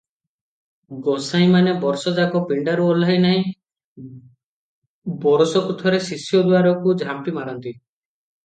ଗୋସାଇଁ ମାନେ ବର୍ଷ ଯାକ ପିଣ୍ତାରୁ ଓହ୍ଲାଇ ନାହିଁ, ବରଷକୁ ଥରେ ଶିଷ୍ୟ ଦୁଆରକୁ ଝାମ୍ପିମାରନ୍ତି ।